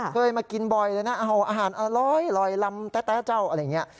เคยมากินบ่อยเลยนะเอาอาหารอร้อยลำแต๊ะเจ้าอะไรอย่างนี้